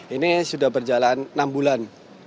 ini sudah berjalan enam bulan